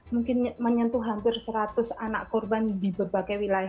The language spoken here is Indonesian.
mungkin menyentuh hampir seratus anak korban di berbagai wilayah